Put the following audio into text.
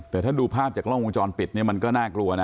แต่ถ้าดูภาพจากกล้องวงจรปิดเนี่ยมันก็น่ากลัวนะ